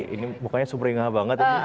ini bukannya sumber ingat banget